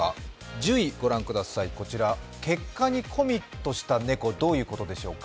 １０位、御覧ください、「結果にコミットした猫」、どういうことでしょうか。